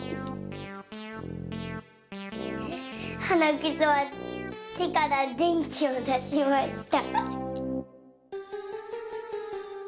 はなくそはてからでんきをだしました。